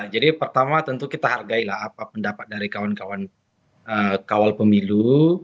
jadi pertama tentu kita hargai pendapat dari kawan kawan kawal pemilu